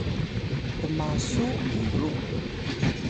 tmasu miru